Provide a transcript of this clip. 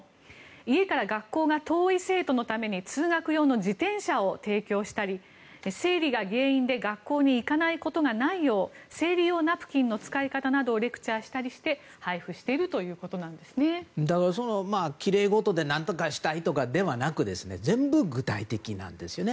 家から学校が遠い生徒のために通学用の自転車を提供したり、生理が原因で学校に行かないことがないよう生理用ナプキンの使い方などをレクチャーしたりしてきれいごとで何とかしたいではなくて全部、具体的なんですよね。